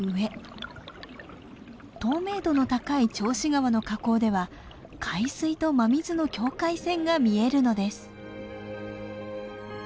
透明度の高い銚子川の河口では海水と真水の境界線が見えるのです。